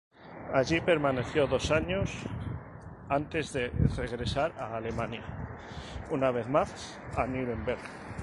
Allí permaneció dos años antes de regresar a Alemania, una vez más a Nuremberg.